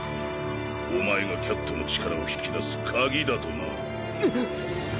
お前がキャットの力を引き出すカギだとな。